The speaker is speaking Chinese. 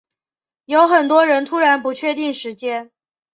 有很多人突然不确定时间